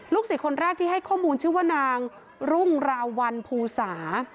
สี่คนแรกที่ให้ข้อมูลชื่อว่านางรุ่งราวัลภูสา